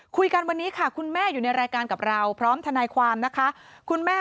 คุยกันวันนี้ค่ะคุณแม่อยู่ในรายการกับเราพร้อมทนายความนะคะคุณแม่